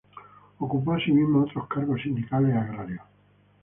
Ocupó asimismo otros cargos sindicales agrarios.